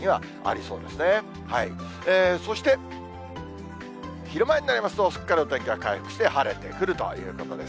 そして昼前になりますと、すっかりお天気は回復して晴れてくるということです。